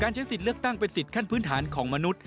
ใช้สิทธิ์เลือกตั้งเป็นสิทธิขั้นพื้นฐานของมนุษย